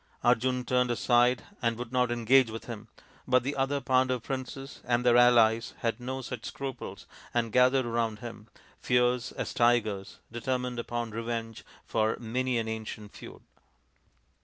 Arjun turned aside and would not engage with him, but the other Pandav princes and their allies had no such scruples and gathered round him, fierce as tigers, determined upon revenge for many an ancient feud.